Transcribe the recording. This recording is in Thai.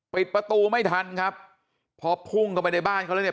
ปิดประตูไม่ทันครับพอพุ่งเข้าไปในบ้านเขาแล้วเนี่ย